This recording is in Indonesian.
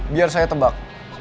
biar saya tebak